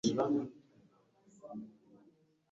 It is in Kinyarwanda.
Kuki mutansanga imbere muminota mike